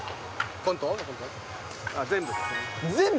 全部。